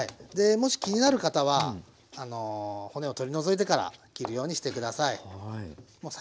もし気になる方は骨を取り除いてから切るようにして下さい。